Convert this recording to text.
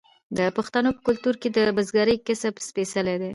د پښتنو په کلتور کې د بزګرۍ کسب سپیڅلی دی.